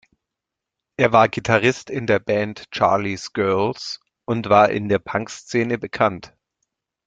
Er war Gitarrist in der Band „Charley’s Girls“ und war in der Punkszene bekannt.